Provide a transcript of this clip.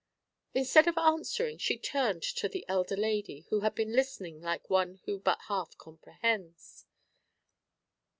Instead of answering, she turned to the elder lady, who had been listening like one who but half comprehends.